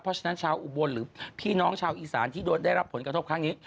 เพราะฉะนั้นชาวอุบลหรือพี่น้องชาวอีสานที่ได้รับผลกระทบครั้งนี้